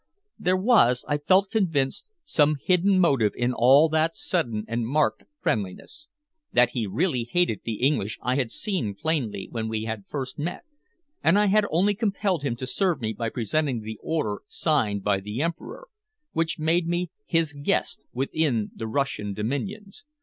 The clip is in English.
There was, I felt convinced, some hidden motive in all that sudden and marked friendliness. That he really hated the English I had seen plainly when we had first met, and I had only compelled him to serve me by presenting the order signed by the Emperor, which made me his guest within the Russian dominions.